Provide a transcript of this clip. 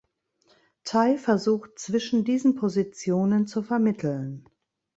Tye versucht, zwischen diesen Positionen zu vermitteln.